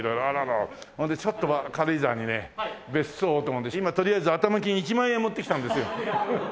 ほんでちょっとまあ軽井沢にね別荘をと思うので今とりあえず頭金１万円は持ってきたんですよ。